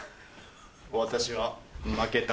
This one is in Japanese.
私は負けた。